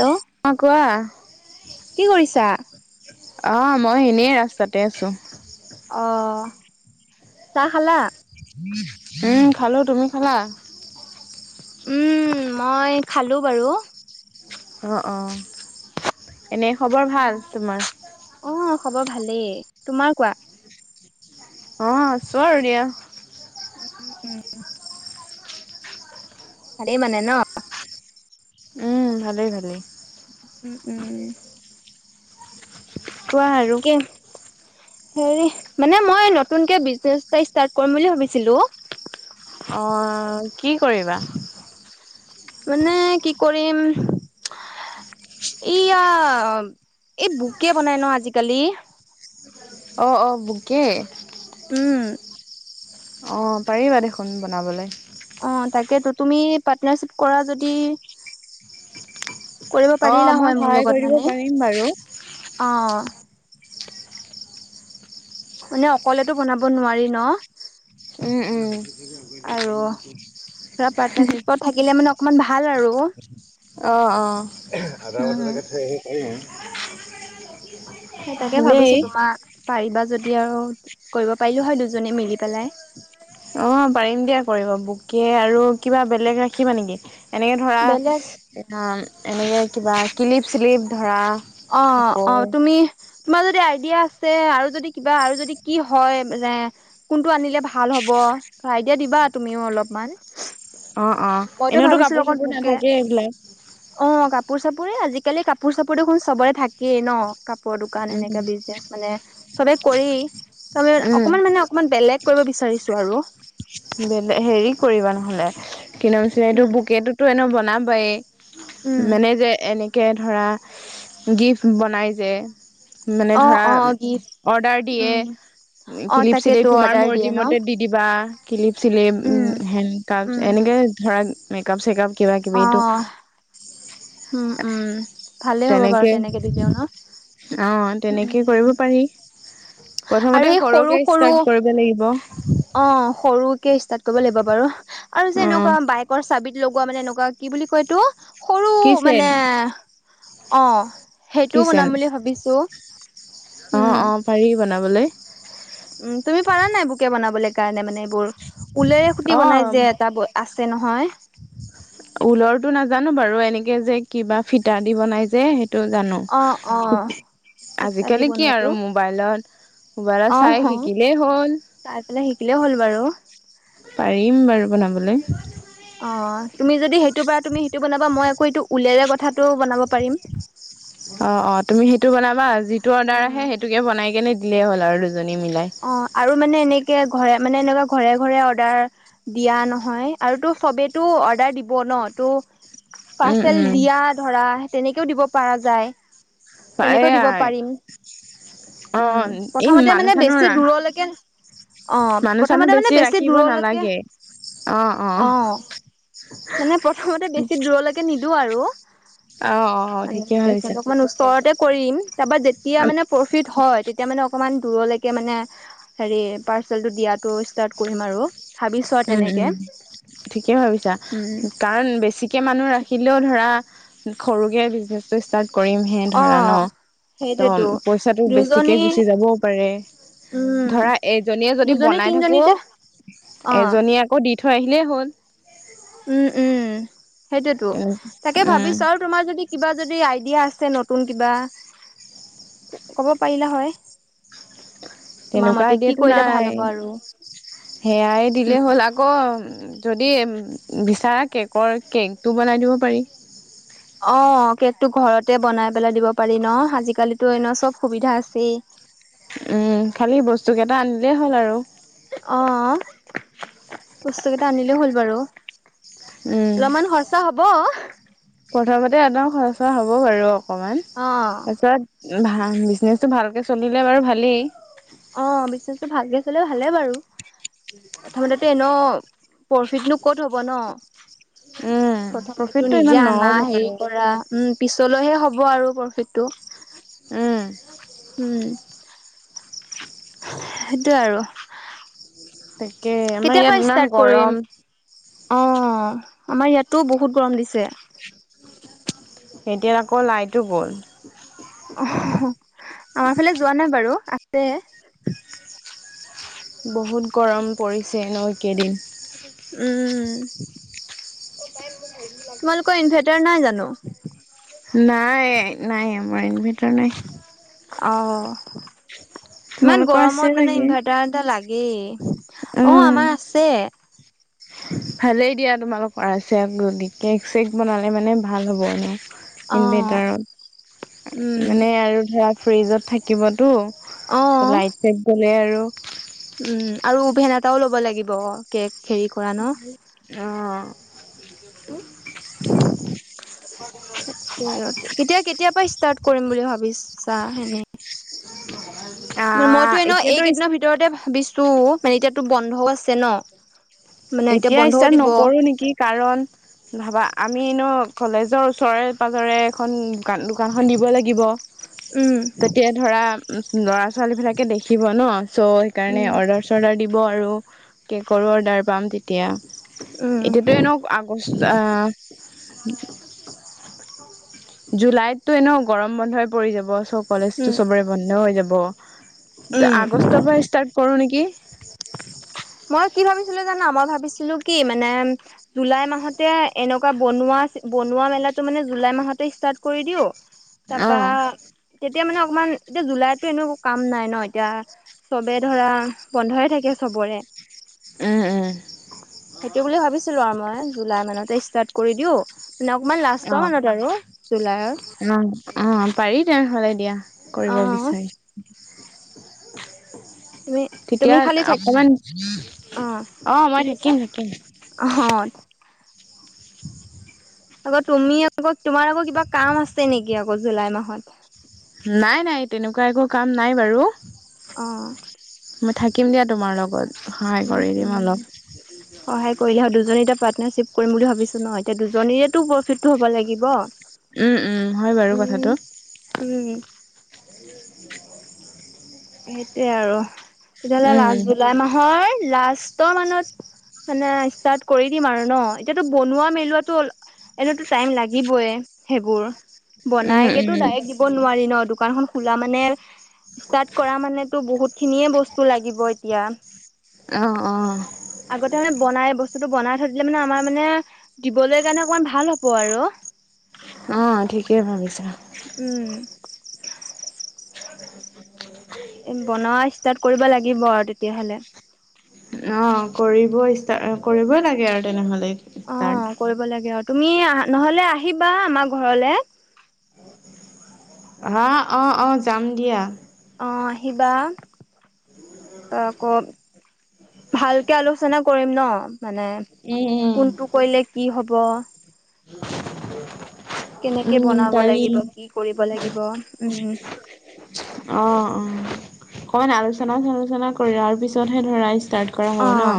Hello অ কোৱা কি কৰিছা? অঁ মই এনেই ৰাস্তাতে আছোঁ। অঁ চাহ খালা? উম খালো তুমি খালা? মই খালোঁ বাৰু অ অ এনে খবৰ ভাল তোমাৰ অ', খবৰ ভালেই তোমাৰ কোৱা? অ আছোঁ আৰু দিয়া। উম, ভালে মানে ন? উম ভালেই ভালেই। উম উম। কোৱা আৰু তাকে হেৰি মানে মই নতুনকে বিজনেচ এটা ষ্ট্ৰাট কৰিম বুলি ভাবিছিলোঁ। অ কি কৰিবা? মানে কি কৰিম, ইয়া এই বোকে বনাই ন আজিকালি,, অঁ অঁ বোকে। উম। অ পাৰিবা দেখোন বনাবলৈ। অ তাকেতো তুমি পাৰ্টনাৰশ্বিপ কৰা যদি কৰিব অ পাৰিলা মই হয় মোৰ সহায় কৰি লগত দিব মানে,, পাৰিম বাৰু অ মানে অকলেতো বনাব নোৱাৰি ন? উম উম আৰু ধৰা পাৰটনাৰশিপত থাকিলে মানে অকমান ভাল আৰু। অ অ আধ প [unintelligible] সেই তাকে ভাবিছো ভালেই তোমাক পাৰিবা যদি আৰু কৰিব পাৰিলোঁ হয় দুজনে মিলি পেলাই। অ পাৰিম দিয়া কৰিব বোকে আৰু কিবা বেলেগ ৰাখিবা নেকি? এনেকে বেলেগ ধৰা এনেকে কিবা ক্লিপ চিলিপ ধৰা অ আকৌ অ তুমি তোমাৰ যদি দিয়া আছে আৰু যদি কিবা আৰু যদি কি হয় যে কোনটো আনিলে ভাল হব। এতিয়া দিবা তুমিও অলপমান। অ অ মইতো এনেওতো ভাবিছো কাপোৰ লগত চাপোৰ বোকে নাথাকেই এইবিলাক অ ক। কাপোৰ চাপোৰে আজিকালি কাপোৰ চাপোৰ দেখোন চবৰে থাকেই ন। কাপৰ দোকান উম এনেকা বিজনেচ মানে চবে কৰি। তি অকমান উম মানে অকমান বেলেগ কৰিব বিচাৰিছো আৰু। বেলে হেৰি কৰিবা নহলে কিন্তু পি এইটো উম, বোকেটোতো এনে বনাবাই। উম। মানে যে এনেকে ধৰা গিফ্ট বনাই যে। মানে অ ধৰা অ গিফ্ট অৰ্ডাৰ দিয়ে। উম অ কিলিপ চিলিপ তাকেতো তোমাৰ অৰ্ডাৰ দিয়ে ন মৰ্জিমতে দি দিবা। কিলিপ চিলিপ উম হেণ্ডকাপ উম এনেকৈ ধৰা মেকআপ চেকআপ। কিবা কিবি অ এইটো। উম উম ভালে হ'ব বাৰু তেনেকে দিলেও ন। অ তেনেকে উম কৰিব পাৰি। আৰু প্ৰথমতে এই সৰু সৰকে সৰু ষ্টাৰ্ট কৰিব লাগিব। অ সৰুকে ষ্টাৰ্ট কৰিব লাগিব বাৰু আৰু অ যেনেকুৱা বাইকৰ চাবিত। লগোৱা মানে এনেকুৱা কি বুলি কয়টো সৰু কিচেন মানে অ। সেইটোও কিচেন বনাম বুলি ভাবিছো। অ অ পাৰি বনাবলৈ উম তুমি পাৰা নাই বোকে বনাবলৈ কাৰণে মানে এইবোৰ ওলেৰে খুটি অ বনাই যে এটা আ। আছে নহয়। ঊলৰটো নাজানো বাৰু এনেকে যে কিবা ফিটা দি বনাই যে। সেইটো জানো। অ অ ফিতা দি আজিকালি কি বনোৱাটো আৰু মোবাইলত মোবাইলত চাই শিকিলেই হ'ল। হিকিলে হ'ল বাৰু। পাৰিম বাৰু বনাবলৈ। অ তুমি যদি সেইটো পৰা তুমি সেইটো বনাবা মই আকৌ এইটো উলেৰে কথাটো বনাব পাৰিম। [unintelligible] অ অ তুমি সেইটো বনাবা যিটো অৰ্ডাৰ উম, আহে সেইটোকে বনাই কেনে দিলেই হ'ল আৰু। দুজনী মিলাই অ আৰু মানে এনেকে আ। ঘৰে মানে এনেকুৱা ঘৰে ঘৰে অৰ্ডাৰ দিয়া নহয় আৰুতো সবেতো অৰ্ডাৰ দিব ন। উম পাৰ্চেল উম দিয়া ধৰা তেনেকেও দিব পৰা যায়। তেনেকৈও দিব এয়া পাৰিম অ উম এই প্ৰথমতে মানুহ মানে বেছি। চানুহ বেছি ৰা দূৰলৈকে অ মানুহ চানুহ প্ৰথমতে মানে বেছি ৰাখিব দূৰলৈকে। নালাগে অ অ। মানে প্ৰথমতে বেছি দূৰলৈকে নিদো আৰু। অ অ ঠিকে ভাবিছা ওচৰতে কৰিম তাৰ যেতিয়া মানে প্ৰফিট হয়। এতিয়া মানে অকণমান দূৰলৈকে মানে হেৰি পাৰ্চেলটো দিয়াটো ষ্টাৰ্ট কৰিম আৰু। ভাবিছো আৰু উম তেনেকে উম ঠিকেই ভাবিছা উম কাৰণ বেছিকে মানুহ ৰাখি। থাকিলেও ধৰা সৰুকে বিজনেচটো ষ্টাৰ্ট কৰিমহে অ ধৰা ন। ত সেইটোৱেতো পইচাটো বেছিকে দুজনী গুচি যাবও পাৰে। উম ধৰা এজনীয়ে যদি দুজনী বনাই থাকো। তিনিজনীতে অ এজনীয়ে আকৌ দি থৈ আহিলেই হ'ল। উম উম সেইটোৱেতো তাকে উম ভাবিছো আৰু তোমাৰ যদি কিবা যদি আইডিয়া আছে। নতুন কিবা ক'ব পাৰিলে হয়। তোমাৰ তেনেকুৱা মতে কি এইডিয়াতো কৰিলে ভাল নাই। হ'ব আৰু সেয়াই দিলে উম হ'ল আকৌ। যদি বিচাৰা কেকৰ কেকটো বনাই দিব পাৰি। অ কেকতটো ঘৰতে বনাই পেলাই দিব পাৰি ন আজিকালিতো এনে চব সুবিধা আছেই। উম খালি বস্তু কেইটা আনিলেই হ'ল আৰু। বস্তু এটা আনিলেই হ'ল বাৰু। উম অলপমান খৰচা হব। প্ৰথমতে একদম খচৰা হব বাৰু অকমান অ', তাৰপিছত। ভ বিজনেচটো ভালকে চলিলে বাৰু ভালেই। অ', বিজনেচটো ভালকে ভালে বাৰু। প্ৰথমতেটো এনেও প্ৰফিটনো ক'ত হ'ব ন। উম প্ৰথমতে তো প্ৰফিটটো নিজে ইমান আনা নহ'ব হেৰি বাৰু কৰা উম পিছলৈহে হ'ব। হব আৰু প্ৰফিটটো উম সেইটো আৰু তাকে আমাৰ কেতিয়া ইয়াত পৰা ইমান ষ্টাৰ্ট কৰিম গৰম অ আমাৰ ইয়াতো বহুত গৰম দিছে। এতিয়া আকৌ লাইটো গ'ল। অ আমাৰ ফালে যোৱা নাই বাৰু আছে। বহুত গৰম পৰিছে ন একেইদিন। উম তোমালোকৰ ইনভাৰ্টাৰ নাই জানো নাই নাই আমাৰ ইনভেটাৰ নাই। অ ইমান তোমালোকৰ আছে গৰমত মানে চাগে ইনভেৰ্টাৰ এটা লাগে। অ উম আমাৰ আছে। ভালেই দিয়া তোমালোকৰ আছে গতিকে কেক চেক বনালে মানে ভাল হ'ব ন অ', ইনভেটাৰত উম, মানে আৰু ধৰা। ফ্ৰীজত থাকিবতো অ', লাইট চাইট গ'লে আৰু উম আৰু উভেন এটাও ল'ব লাগিব কেক হেৰি কৰা ন? অ কেতিয়া কেতিয়াপা ষ্টাৰ্ট কৰিম বুলি ভাব বিশাস এনে মানে আহ মইতো এনে এতিয়াতো এইকেইদিনৰ ভিতৰতে ভাবিছো মানে এতিয়াতো বন্ধও আছে ন। মানে এতিয়া বন্ধও ষ্টাৰ্ট দিব নকৰো নেকি কাৰণ ভাবা আমি এনেও কলেজৰ ওচৰে পাজৰে এখন দান দোকানখন দিব লাগিব উম, তেতিয়া ধৰা ল ছোৱালীবিলাকে দেখিব ন চ' সেইকাৰণে উম, অৰ্ডাৰ চৰ্ডাৰ দিব আৰু কেকৰো অৰ্ডাৰ পাম তেতিয়া উম, এতিয়াতো এনেও আগষ্ট আহ জুলাইতটো এনে গৰম বন্ধই পৰি যাব চ কলেজটো উম, চবৰে বন্ধ হৈ যাব উম। আগষ্টৰ পৰা কৰোঁ নেকি। মই কি ভাবিছিলো জানা মই ভাবিছিলো কি মানে জুলাই মাহতে এনেকুৱা বনোৱা। বনোৱা মেলাটো মানে জুলাই মাহতে ষ্টাৰ্ট কৰি দিও। তাৰপা উম তেতিয়া মানে অকমান। এতিয়া জুলাইতো এনেও কাম নাই ন এতিয়া চবে ধৰা বন্ধয় থাকে চবৰে। উম সেইটো বুলি ভাবিছিলো আৰু মই জুলাই মানতে ষ্টাৰ্ট কৰি দিও। মানে অকমান অ লাষ্টৰ মানত আৰু জুলাইৰ অ অ পাৰি তেনেহ'লে দিয়া। অ কৰিব বিচাৰি। তুমি তুমি তেতিয়া খালি থাক অকমান। অ অ কি মই কৈছা থাকিম থাকিম। অ [inaudible] আকৌ তুমি আকৌ তোমাৰ আকৌ কিবা কাম আছে নেকি আকৌ জুলাই মাহত নাই নাই তেনেকুৱা একো কাম নাই বাৰু আহঁ মই থাকিম দিয়া তোমাৰ লগত সহায় উম কৰি দিম উম অলপ সহায় কৰিলেহ দুই দুজনী এতিয়া পাৰ্টনাৰশ্বিপ কৰিম ভাবিছোঁ ন এতিয়া দুজনীতো প্ৰফিটটো হ'ব লাগিব উম উম হয় বাৰু উম, কথাটো উম [inaudible] সেইটোয়ে আৰু তেতিয়াহ'লে উম লাষ্ট উম জুলাই মাহৰ লাষ্ট ত মানত মানে ষ্টাৰ্ট কৰি দিম আৰু ন এতিয়াতো বনোৱা মেলোৱাটো অলপ এনেইতো টাইম লাগিবই সেইবোৰ উম বনাইকেতো উম ডাইৰেক্ট দিব নোৱাৰি ন দোকান খন খোলা মানে ষ্টাৰ্ট হয় কৰা মানেটো বহুত খিনিয়ে বস্তু লাগিব এতিয়া অ অ আগতে মানে বনাই বস্তুটো বনাই থৈ দলে মানে আমাৰ মানে দিবলৈ কাৰণে অকমান ভাল হব আৰু অ ঠিকেই ভাবিছা উম [inaudible] এ বনোৱা ষ্টাৰ্ট কৰিব লাগিব আৰু তেতিয়াহলে অ কৰিব ষ্টট কৰিবই লাগে আৰু তেনেহলে অ ষ্টাৰ্ট। কৰিব লাগে আৰু তুমি নহলে আহিবা আমাৰ ঘৰলে হা অ অ যাম দিয়া অ আহিবা আকৌ ভালকে আলোচনা কৰিম ন মানে উম, কোনটো কৰিলে কি হ'ব কেনেকে বনাব পাৰি। লাগিব কি কৰিব লাগিব উম অ অ অকমান আলোচনা চালোচনা কৰি পিছতহে ধৰা ষ্টাৰ্ট কৰা হ'ব ন অ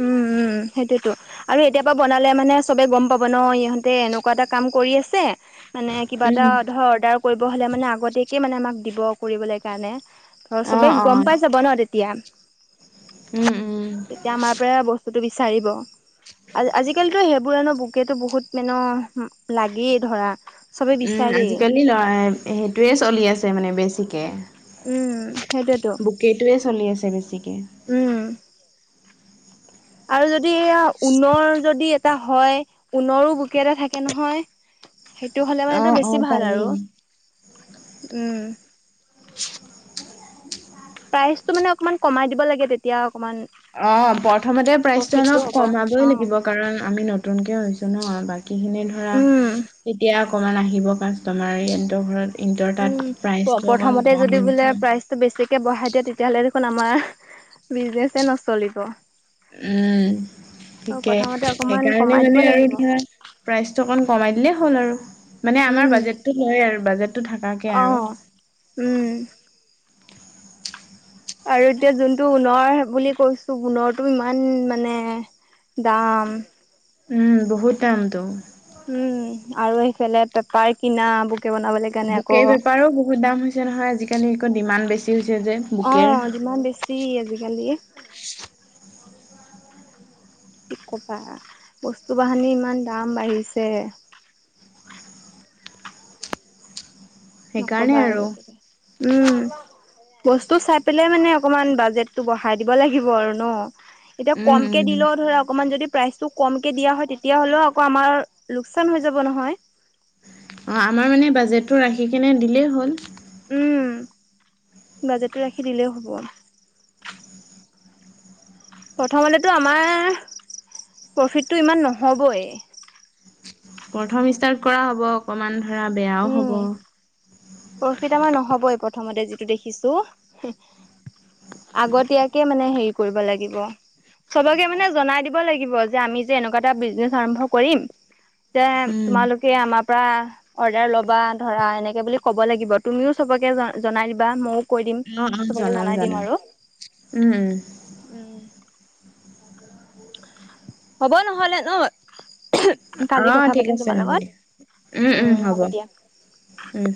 উম উম সেইটোয়েতো আৰু এতিয়া পৰা বনালে মানে চবে গম পাব ন ইহঁতে এনেকুৱা এটা কাম কৰি আছে মানে কিবা উম। এটা ধৰ অৰ্ডাৰ কৰিব হ'লে মানে আগতীয়কে মানে আমাক দিব কৰিবলৈ কাৰণে ধৰ অ', চবেই গম অ', পাই যাব ন তেতিয়া উম, উম, তেতিয়া আমাৰ পৰা বস্তুতটো বিচাৰিব আ আজিকালিতো সেইবোৰনো বুকেতো বহুত মানে লাগেই ধৰা চবে উম বিচাৰেই আজিকালি লৰা সেইটোয়ে চলি আছে মানে বেছিকে উম সেইটোয়েতো বুকেইটোয়ে চলি আছে বেছিকে উম আৰু যদি ঊণ যদি এটা হয় ঊণো বোকে এটা থাকে নহয় [inaudible] সেইটো হ'লে মানটো অ', বেছি অ', ভাল আৰু পাৰি। উম প্ৰাইচটো মানে অকণমান কমাই দিব লাগে তেতিয়া অকমান অ প্ৰথমতে প্ৰাইচটো প্ৰফিটটো অলপ হ'ব অ কমাবই লাগিব কাৰণ আমি নতুনকে হৈছো ন বাকী বাকী খিনিধৰা উম তেতিয়া অকমান আহিব কাষ্টমাৰ ইহঁতৰ ঘৰত ইহঁতৰ তাত উম প্ৰাইচটো অকণ প্ৰথমতে কম যদি বোলে প্ৰাইজটো বেছিকে বঢ়াই দিয়ে তেতিয়াহ'লে আমাৰ বিজনেছে নচলিব উম অ থিকে প্ৰথমতে অকমান সেইকাৰণে কমাই দিব মানে আৰু লাগিব ধৰা প্ৰাইচটো অকমান কমাই দিলেই হ'ল আৰু মানে আমাৰ উম বাজেটটো লয় আৰু বাজেটটো থাকাকে অ আৰু উম আৰু এতিয়া যোনটো ঊণৰ বুলি কৈছো ঊনৰটো ইমান মানে দাম উম বহুত টাইমটো উম আৰু এইফালে পেপাৰ কিনা বনাবলৈ কাৰণে আকৌ বুকে বেপাৰো বহুত দাম হৈছে নহয় আজিকালি ডিমাণ্ড বেছি হৈছে যে অ বুকেৰ যিমান বেছি আজিকালি কি কবা বস্তু বাহানি ইমান দাম বাঢ়িছে [unintelligible] নকবা আৰু এতি উম বস্তু চাই পেলাই মানে অকমান বাজেটটো বঢ়াই দিব লাগিব আৰু ন এতিয়া উম, কমকে উম। দিলেও ধৰা অকণমান যদি প্ৰাইচটো কমকে দিয়া হয়, তেতিয়া হ'লেও আকৌ আমাৰ লোকচান হৈ যাব নহয়। অৱ আমাৰ মানে বাজেটটো ৰাখি কেনে দিলেই হ'ল। উম বাজেটটো ৰাখি দিলেইও হ'ব। প্ৰথমতেতো আমাৰ প্ৰফিটটো ইমান নহ'বই প্ৰথম ষ্টাৰ্ট কৰা হ'ব অকমান ধৰা বেয়াও হ'ব। প্ৰফিত আমাৰ নহ'বই প্ৰথমতে যিটো দেখিছো। আগতীয়াকে মানে হেৰি কৰিব লাগিব। সবকে মানে জনাই দিব লাগিব যে আমি যে এনেকুৱা এটা বিজনেচ আৰম্ভ কৰিম এতিয়া অ তোমালোকে আমাৰ পৰা অৰ্ডাৰ ল'বা ধৰা এনেকে বুলি ক'ব লাগিব তুমিও চবকে জনাই দিবা মোক কৈ দিম চবকে জনাম জনাই দিম জনাম আৰু, উম উম উম হ'ব নহলে ন অ কালি কথা ঠিক পাতিম আছে তোমাৰ হ'ব দিয়া লগত, উম হ'ব দিয়া উম